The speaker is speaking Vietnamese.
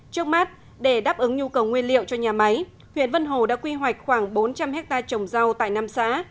trước mắt để đáp ứng nhu cầu nguyên liệu cho nhà máy huyện vân hồ đã quy hoạch khoảng bốn trăm linh hectare trồng rau tại năm xã